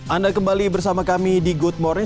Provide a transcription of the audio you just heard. anda kembali bersama kami di good morning